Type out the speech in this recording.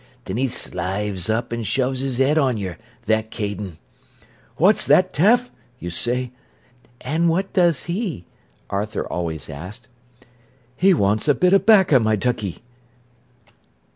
Then he slives up an' shoves 'is 'ead on yer, that cadin'. "'What's want, Taff?' yo' say." "And what does he?" Arthur always asked. "He wants a bit o' bacca, my duckey."